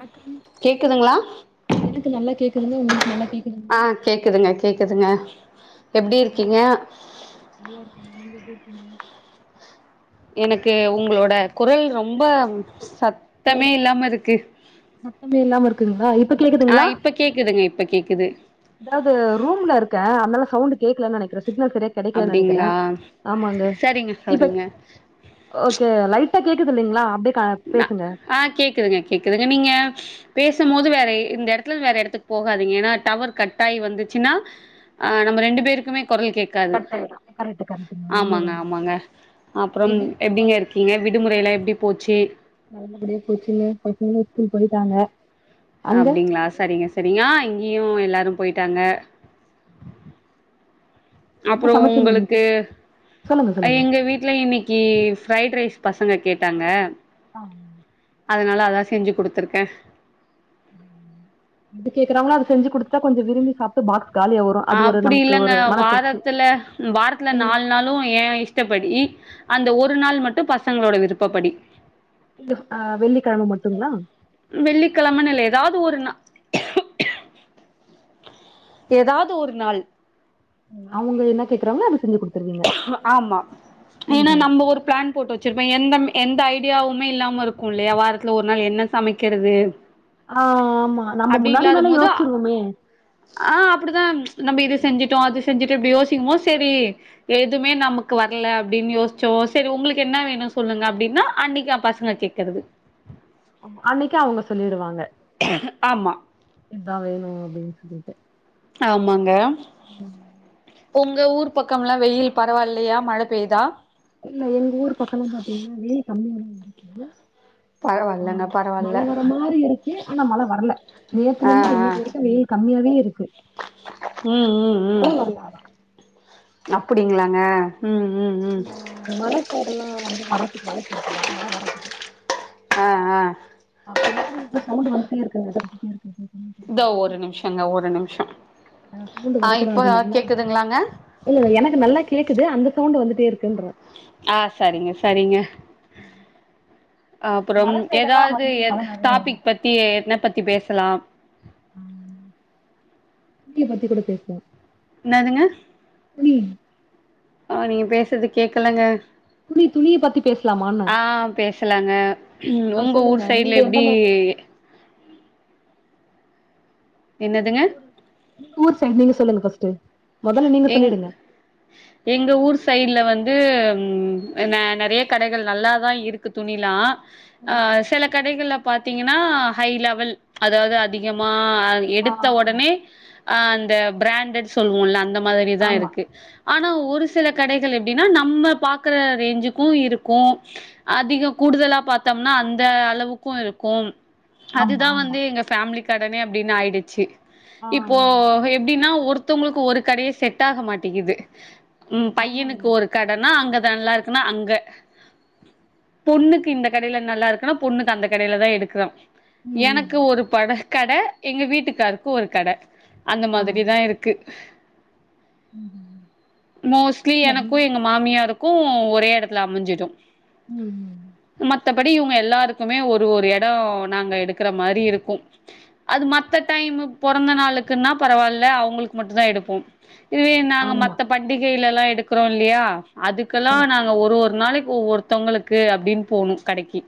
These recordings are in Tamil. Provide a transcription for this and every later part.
வணக்கம் கேக்குதுங்களா எனக்கு நல்லா கேக்குதுங்க உங்களுக்கு நல்லா கேக்குதுங்களா ஆஹ் கேக்குதுங்க கேக்குதுங்க எப்டி நல்லா இருக்கீங்க நல்லா இருக்கங்க நீங்க எப்படி ங்க எனக்கு உங்களோட குரல் ரொம்ப உள்ள சத்தமே இல்லாம இருக்கு சத்தமே இல்லாம இருக்குங்களா இப்ப ஆ இப்ப கேக்குதுங்க இப்ப கேக்குது அதாவ்து ரூம்ல இருக்க அத்னால சௌண்டு கேக்லன் நெனக்கிற சிக்னல் சரியா கெடைக்ல நெனக்கிற அப்டிங்களா ஆமாங்க சரிங்க இப்ப சரிங்க ஓகே லைட் டா கேக்குது இல்லைங்ளா அப்டே ந ஆ கேக்குதுங்க கேக்குதுங்க நீங்க பேஸ் சம்மோது வேற இந்த எடத்துலேந் வேற எடத்துக் போகாதீங்க ஏன்னா டவர் கட் ஆயி வந்துச்சின்னா ஆ நம்ம ரெண்டு பேருக்குமே கொரல் கேக்காது கட் ஆயிடும் கரெக்ட் கரெக்ட்ங்க ஆமாங்க உண்மதாங்க ஆமாங்க அப்றம் எப்டி இருக்கீங்க எப்டிங்க இருக்கீங்க விடுமுறையெல்லா எப்டி போச்சீ நல்லப்படியா போச்சுங்க பசங்களு ஸ்கூல் பொய்ட்டாங்க அப்டிங்ளா சரிங்க சரிங்க ஆ இங்கியு எல்லாரு போய்ட்டாங்க என்ன அப்பறொ சமைச்சீங்க இன்னைக்கு உங்களுக்கு சொல்லுங்க சொல்லுங்க எங்க வீட்ல இன்னக்கி ஃப்ரைட் ரைஸ் பசங்க கேட்டாங்க அ அதுனால அதா செஞ்சு குடுத்துர்க்க எது கேக்குறாங்க‌ளோ அத செஞ்சு குடுத்தா கொஞ்சொ விரும்பி சாப்ட்டு பாக்ஸ் காலியா வரும் அது ஒரு அப்டி நமக்கு இல்லங்க ஒரு மன திருப்தி வாரத்துல வாரத்துல ம். நால் நாளு ஏ இஷ்டப்படி அந்த ஒரு நாள் மட்டு பசங்களோட விருப்பப்படி இது ஆ வெள்ளிக்கிழம மட்டுங்களா வெள்ளிக்கிழமனு இல்ல‌ எதாவது ஒரு நா எதாவது ஒரு நாள் அவுங்க என்ன கேக்குறாங்ளோ அது செஞ்சு குடு ஆமா ஏனா நம்ம ஒரு பிளான் போட்டு வெச்சிருப்பேன் என் தம்பி எந்த ஐடியாவுமே இல்லாம இருக்குல்லயா வாரத்துல ஒரு நாள் என்ன சமைக்கிறது ஆ ஆமா நம்ம அப்டி முன்னாடி இல்லாத நாளே போது யோசிச்சிருவோமே ஆ அப்டிதா நம்ம இத செஞ்சிட்டோ அது செஞ்சுட்டு இப்டி யோசிக்கும்போ செரி எதுமே நமக்கு வர்ல அப்டின்னு யோசிச்சோ சேரி உங்களுக்கு என்ன வேணுனு சொல்லுங்க அப்டின்னா அன்னைக்கு அ பசங்க கேட்கறது அன்னைக்கே அவுங்க சொல்லிடுவாங்க ஹ் ஆமா இதா வேணு அப்டின்னு சொல்லிட்டு ஆமாங் ங்க உங்க ஊர் பக்கமெல்லா வெயில் பரவாயில்லயா மழை பெய்தா இல்ல எங்க ஊர் பக்கல்லா பாத்தீங்கன்னா வெயில் கம்மியாதா இருக்குது ஆ பரவாயில்லங்க பரவாயில்ல மழை வர மாரி இருக்கு ஆனா மழை வரல நேத்துலந்து இன்னைக்கு வரைக்கு வெயில் க [unintelligible] உம் உம் உம் வரல ஆனா அப் அப்டிங்களாங்க ம் ம் ம் இந்த மர சைடு எல்லா வந்து மர [unintelligible] மழ வரதுக்கு ஆஹ் ஆஹ் முன்னாடி இந்த சவுண்ட் வந்துட்டே இருக்குங்க இதோ ஒரு நிமிஷங்க ஒரு நிமிஷோ ஆ இப்போ [unintelligible] கேக்குதுங்களாங்க இல்ல இல்ல எனக்கு நல்லா கேக்குது அந்த சவுண்ட் வந்து [unintelligible] ஆஹ் சரிங்க சரிங்க அப்புறம் மல சைடெல்லா ஏதாவது வந்து மழ நெறைய வரு டாபிக் பத்தி என்ன பத்தி பேசலாம் ஹ் துணிய பத்தி கூட பேசுவோ என்னதுங்க [unintelligible] ஆஹ் நீங்க பேசுறது கேக்கலங்க துணி துணிய பத்தி பேசலாமன ஆ [unintelligible] உங்க ஊர் சைடுல எந்த எப்டி மாரி என்னதுங்க உங்க ஊரு சைடுல இருந்து சொல்லுங்க ஃபர்ஸ்ட்டு முதல்ல நீங்க எங் சொல்லிடுங்க எங்க ஊர் சைட்ல வந்து ந நறைய கடைகள் நல்ல தா இருக்கு துணிலா ம். சில கடைகள்ல பாத்தீங்கன்னா ஹை லெவல் அதாவது அதிகமா ஆஹ் ஆ எடுத்த உடனே ஆ அந்த பிராண்டட் சொல்லுவோலா இந்த மாதிரி தா ஆமா இருக்கு ஆனா ஒரு சில கடைகள் எப்டின்னா நம்ம பாக்குற ரேஞ்சுக்கு இருக்கு அதிக கூடுதலா பாத்தோம்னா அந்த அளவுக்கு இருக்கும் ஆமா அதுதா ஆமா வந்து எங்க ஃபேமிலிக்கு கடன அப்டின்னு ஆயிடுச்சு ஆ இப்போ எப்டின்னா ஒருத்தவங்களுக்கு ஒரு கடையே செட் ஆக மாட்டேங்குது உம் ஆமாங்க பையனுக்கு ஒரு கடனா அங்க நல்லா இருக்குன்னா அங்க பொண்ணுக்கு இந்த கடையில நல்லா இருக்குனா பொண்ணுக்கு அந்த கடையில தான் எடுக்கிறோ ம் ம் எனக்கு ஒரு பட கட எங்க வீட்டுக்காருக்கு ஒரு கட அந்த ஆ மாதிரிதா இருக்கு ம் மோஸ்ட்லி இல்ல எங் எனக்கு எங்க மாமியாருக்கு ஒரு ஒரே எடத்துல அமஞ்சிடு ம் ம் மத்தபடி இவுங்க எ எல்லாருக்குமே ஒரு ஒரு இடம் நாங்க எடுக்கற மாதிரி இருக்கும் அது மத்த டைம் பொறந்த நாளுக்குன்னா பரவாயில்ல அவங்களுக்கு மட்டும் தான் எடுப்போம் [inaudible] இதுவே நாங்க ஆமா மத்த பண்டிக் கில எல்லாம் எடுக்கிறோம் இல்லையா அதுக்கெல்லாம் ஆமா நாங்க ஒரு ஒரு நாளைக்கு ஒவ்வொரு தவங்களுக்கு அப்படின்னு போணும் கடைக்கு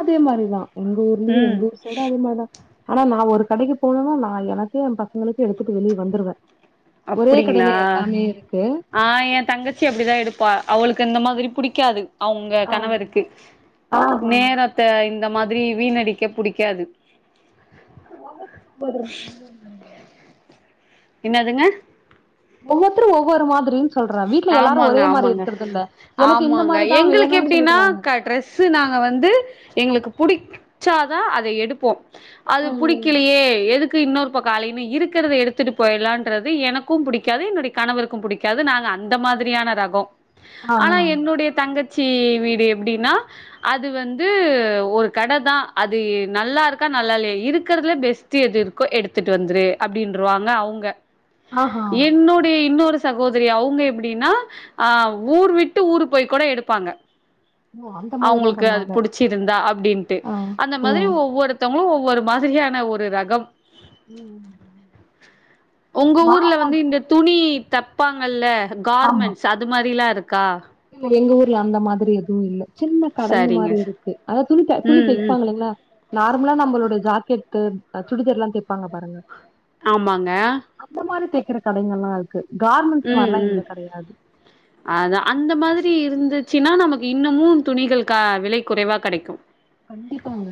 அதே மாதிரிதான் எங்க ஊர்லயே ம் எங்க ஊர் சைடு அதே மாரி தான் ஆனா நான் ஒரு கடைக்கு போனேனா நான் எனக்கு என் பசங்களுக்கு எடுத்துட்டு வெளியே வந்துடுவேன் அப்படிங்களா ஆ என் தங்கச்சி அப்படிதான் எடுப்பா அவளுக்கு இந்த மாதிரி புடிக்காது அவங்க ஆ கணவருக்கு ஆ நேரத்த இந்த இந்த மாதிரி வீணடிக்க புடிக்காது [inaudible] என்னதுங்க ஒவ்வொருத்தரு ஒவ்வொரு மாதிரி ஆமாங்க ஆமாங்க எனக்கு இந்த ஆமாங்க மாரிதா எங்களுக்கு வேணுன்னு எப்படீனா சொல்லிடுறாங்க ட்ரெஸ் நாங்க வந்து எங்களுக்கு புடிச்சாதான் அதை எடுப்போம் அது புடிக்கிலியே எதுக் இன்னொரு பக்கோ அலைமை இருக்குறது எடுத்துட்டு போயர்லான்றது எனக்கு புடிக்காது என்னோட கணவருக்கு புடிக்காது நாங்க அந்த மாதுரியான ரகொ ஆ ஆனா என்னுடிய தங்கத் சி வீடு எப்டினா அது வந்து ஒரு கடதா அது நல்லா இருக்கா நல்லா இல்லயா இருக்கறதுல பெஸ்ட் எது இருக்கோ எடுத்துட்டு வந்துரு அப்டின்றுவாங்க அவ்ங்க ஆஹா என்னுடிய இன்னொரு சகோதுரியா அவ்ங்க எப்டினா அ ஊர் விட்டு ஊரு போய் கூட எடுப்பாங்க ஓ அந்த மாதிரில்லா அவங்கல்க்கு அது பண்ணுவாங்க புடிச்சிருந்தா அப்டின்ட்டு ஆ அந்த ஓ மாதுரி ஒவ்வொருத்தங்களு ஒவ் ஒரு மாதுரியான ஒரு ரகம் ம் உங்க மா ஊர்ல வந்து இந்த துணி தப்பாங்கல்ல ஆமா கார்மென்ட்ஸ் அது மாரிலா இருக் கா எங்க ஊர்ல அந்த மாத்ரி எதுவூ இல்ல சின்ன கடைங்க சரிங்க மாரிருக்கு அனா துணி தெக் துணி ம் ம் தெப்பாங்க நல்லா நார்மலா நம்மளோட ஜாக்கெட்கு அ சுடிதார்லா தெப்பாங்க பாருங்க ஆமாங்க கிற கடைங்கலா இருக்கு கார்மெண்ட்ஸ் ம் மாரிலா ம் இங்க கெடையாது அதா அந்த மாத் தி இருந்துச்சுன்னா நமக்கு இன்னமூ துணிகள் க விலை குறைவா கெடைக்கூ கண்டிப்பாங்க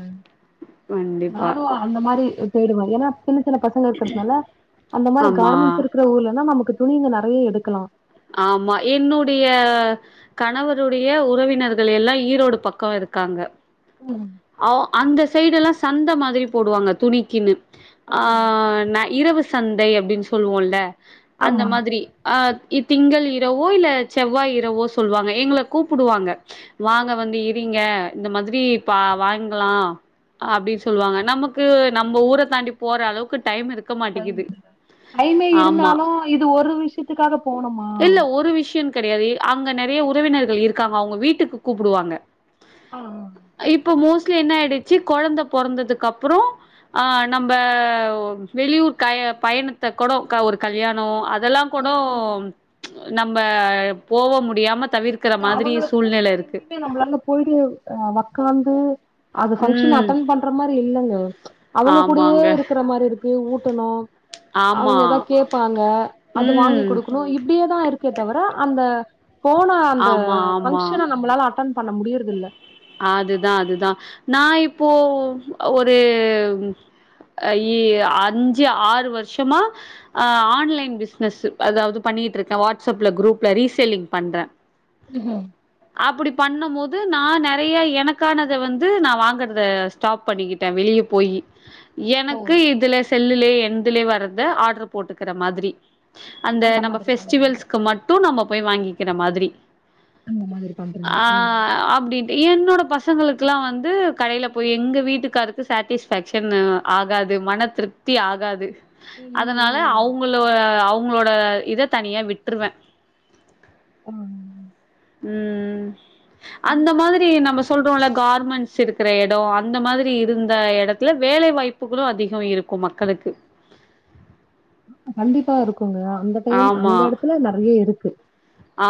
கண்டிப்பா நானூ அந்த மாரி தேடுவே ஏனா சின்ன சின்ன பசங்க இருக்கறதுனால அந்த மாரி ஆமா கார்மெண்ட்ஸ் இருக்கற ஊர்லனா நமக் கு துணிங்க நறைய எடுக்கலா ஆமா என்னுடைய கணவருடைய உறவினர்கள் எல்லா ஈரோடு பக்கோ இருக்காங்க ம் அவ் அந்த சைடு எல்லா சந்த மாத்ரி போடுவாங்க துணிக்குன்னு ஆ நா இரவு சந்தை அப்டின் சொல்லுவோல்ல அந்த ஆமா மாத்ரி அ இ திங்கள் இரவோ இல்ல செவ்வாய் இரவோ சொல்லுவாங்க எங்கள கூப்புடுவாங்க வாங்க வந்து இரிங்க இந்த மாத்ரி பா வாங்கலா அப்டின் சொல்லுவாங்க நமக்கு நம்ம ஊர தாண்டி போறளவுக்கு டைம் இருக் டைமே இருந்தாலூ இது ஒரு விஷ்யத்துகாக போணுமா இல்ல ஒரு விஷயம் கெடையாது அங்க நெறைய உறவினர்கள் இருக்காங்க அவுங்க வீட்டுக்கு கூப்புடுவாங்க ஆ இப்போ மோஸ்ட்லி என்ன ஆய்டுச்சு கொழந்த பொறந்ததுக்கப்றோ ஆ நம்ப வெளியூர் பய் பயணத்த கூட க ஒரு கல்யாணோ அதெல்லாங் கூடோ நம்ப போக முடியாமத் அவுங்கள கூட்டிட்டு எங்கயுமே நம்மளால போயிடு ஆ வ காந்து அது பங்க்ஷன் ம் அட்டன் பண்ற மாரி இல்லங்க அவுங்க கூடியே ஆமாங்க இருக்ற மாரிருக் கு ஊட்டணூ ஆமா அவங்க ஏதா கேப்பாங்க அது வாங்கி ம் குடுக்கணூ இப்டியேதா இருக் கே தவிர அந்த போன அ ஆமா ஆமா பங்க்ஷன் நம்மளால அட்டன் பண்ண முடிய்றதில்ல போ ஒரு ஐ அஞ்சு ஆறு வருஷமா அ ஆன்லைன் பிஸ்னஸ் அதாவ்து பண்ணிட்ருக்கே வாட்ஸ்அப்ல குரூப்ல ரீசேலிங் பண்றே ம்ஹும் அப்டி பண்ணும் போது நா நெ நிறைய எனக்கானதை வந்து நான் வாங்கறத ஸ்டாப் பண்ணிக்கிட்டேன் வெளியே போயி ஓ எனக்கு இதுல செல்லுலேயே எந்துலயே வர்றது ஆர்டரு போட்டுக்கிற மாதிரி அந்த நம்ம மாதிரி பண்ணிக்கிறீங்க பெஸ்டிவல்ஸ்க்கு மட்டும் நம்ம போய் வாங்கிக இருக்கிற மாதிரி அந்த மாதிரி பண்றீங்க ஆ ஆஹ் அப்படின்னு என்னோட பசங்களுக்கெல்லாம் வந்து கடையில போய் எங்க வீட்டுக்காரருக்கு சாட்டிஸ்ஃபேக்ஷன் ஆகாது மன திருப்தி ஆகாது ம், ம், அதனால ம். அவங்கள அவங்க உங்களோட இதை தனியா விட்டுருவேன் உஹம் உம் அந்த மாதிரி சொல்றோம்ல கார்மெண்ட்ஸ் இருக்கிற இடம் அந்த ம். மாதிரி இருந்த இடத்த வேலை வாய்ப்புகளும் அதிகம் இருக்கும் மக்களுக்கு கண்டிப்பா இருக்கும் ங்க அந்த டைம் ஆமா அந்த இடத்துல நிறைய இருக்கு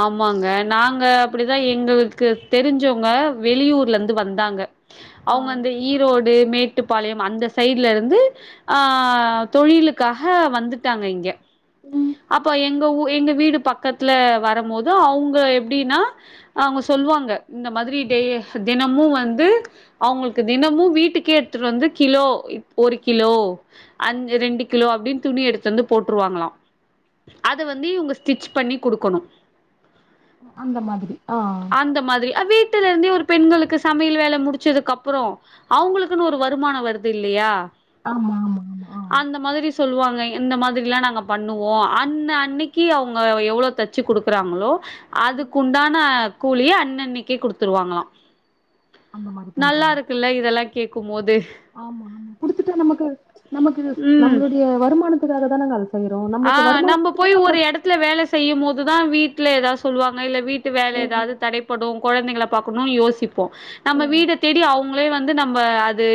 ஆமாங்க நாங்க அப்படிதான் எங்களுக்கு தெரிஞ்சவங்க வெளியூர்ல இருந்து வந்தாங்க ஆ. அவங்க வந்து ஈரோடு மேட்டுப்பாளையம் அந்த சைட்ல இருந்து ஆஹ் தொழிலுக்காக வந்துட்டாங்க இங்க ம். அப்போ எங்க ஊர் எங்க வீடு பக்கத்துல வர ரபோது அவங்க எப்டின்னா அவங்க சொல்லுவாங்க இந்த மாதிரி டே தினமும் வந்து அவங்களுக்கு தினமும் வீட்டுக்கே எடுத்துட்டு வந்து கிலோ ஒரு கிலோ அஞ்சு ரெண்டு கிலோ அப்டினு துணி எடுத்து வந்து போட்டுருவாங்களாம் அத வந்து இவங்க ஸ்டிச் பண்ணி குடுக்கணும் அந்த மாதிரி ஆஹ் அந்த மாதிரி அ வீட்டுல இருந்தே ஒரு பெண்களுக்கு சமையல் வேல முடிச்சதுக்கு அப்புறோம் அவங்களுக்குன்னு ஒரு வருமானம் வருது இல்லையா ஆமா ஆமா ஆமா ஆ அந்த மாதிரி சொல்லுவாங்க இந்த மாதிரியெல்லாம் நாங்க பண்ணுவோம் அன்ன அன்னைக்கி அவுங்க எவ்ளோ தச்சு குடுக் ருக்காங்களோ ம். அதுக்குண்டான கூலியே அன்னன்னைக்கே குடுத்துருவாங்களா அந்த மாரி நல்லா பண்றாங்க. இருக்குல்ல இதெல்லா கேக்கும்மோது ஆமா ஆமா குடுத்துட்டா நமக்கு நமக்கு நம்மளுடைய வருமானத் [unintelligible] ஆஹ் நம்ம போய் ஒரு எடத்துல வேல செய்யும் போதுதான் வீட் இல்ல ஏதாவது சொல்வாங்க இல்ல வீட் டு வேலை ம், ஏதாது தடைப்படும் கொழந்தைகள பாக்கணு யோசிப்போ போம் நம்ம ம். வீட தேடி அவுங் அவங்களே வந்து நம்ம அது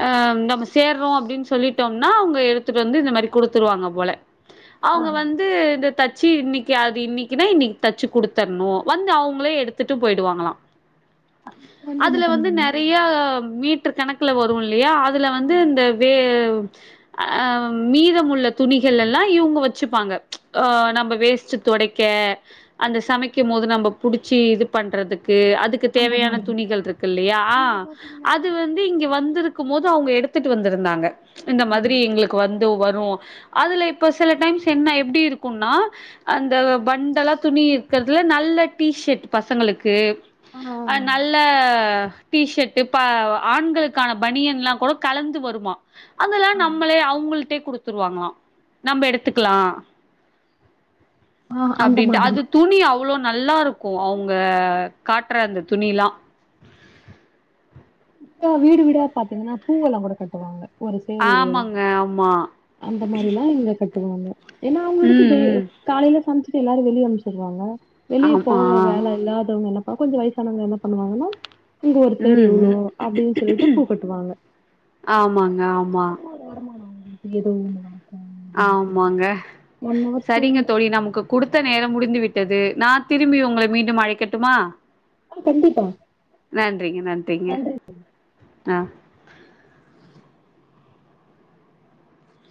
ஹ நம்ம சேர்றோ அப்டின்னு சொல்லிட்டோம்னா அவங்க எடுத்துட்டு வந்து இந்த மாரி குடுத்துருவாங்க போள ஆ. அவுங்க வந்து இந்த தத் ச்சு இன்னைக்கி அது இன்னைக்கின்னா இன்னைக் தச்சு குடுத்தரணு வந்து அவங்களே எடுத்துட்டு போயிடுவாங்களா என்ன அதுல வந்து பண்ணுவாங்க? நெறைய மீட் கணக்கில வரு இல்லையா அத் அதுல வந்து ஆமா. இந்த வே அஹ் மீதமுள்ள துணிகள் எல்லா இவங்க வச்சுப்பாங்க ஆஹ் நம்ம வேஸ்ட் தொடைக்க அந்த சமைக்கு போது நம்ம புடுச்சு இது பண்றதுக் கு அதுக்கு அந்த தேவையான மாதிரி. துணிகள் இருக்கு இல்லையா இங்க ஆஹ் பாத்தீங்கன்னா அது வந்து இங்க வந்துருக் க்கும் போது அவங்க எடுத்துட்டு வந்திருந்தாங்க இந்த ஆ. மாதிரி எங்களுக்கு வந் தோ வரு அதில இப்போ சில டைம்ஸ் என்ன எப்டி இருக்குனா அந்த பண்டெல்லா துணி இருக்கிறதுல நல்ல டீஷர்ட் பசங்களுக்கு ஆ, ஆ, ஆ. அஹ் நல்ல டிஷர்ட்டு ப ஆண்களுக்கான பனியன்லா கூட கலந்து வருமா அதெல்லா ஆ. நம்மளே அவுங்கள்டே குடுத் த்துருவாங்களா நம்ம எடுத்துக்கலாம் ஆ அந்த அப்படின்ட்டு மாதிரி. அது துணி அவ்வளோ நல்லா இருக்கும் அவங்க காட்டுற அந்த துணில்லாம் வீடு வீடா பாத்தீங்கன்னா பூவெல்லாம் கூட கட்டுவாங்க ஒரு சேரி ஆமாங்க ஆமா அந்த மாரிலா [unintelligible] ஏன்னா அவங்களுக்கு ம் தே ம் காலையில சமைச்சு எல்லாரும் வெளிய அனுப்ச்சுருவாங்க வெளியே ஆமா போக வேலை இல்லாதவங்களா கொஞ்சம் வயசானவங்க என்ன பண்ணுவாங்கன்னா அங்க ஒருத்தர் ம் இவ்ளோ ம் அப்படின்னு சொல்லிட்டு பூக்கட்டுவாங்க ஆமாங்க ஆமா [unintelligible] ஆமாங்க ஹவர்ஸ்க்கு சரிங்க ஒன்ஸ் தோழி நமக்கு குடுத்த நேரம் முடிந்து விட்டது நா திரும்பி உங்களை மீண்டும் அழைக்கட்டுமா ஆ கண்டிப்பா நன் றிங்க நன்றிங்க நன்றி ஆ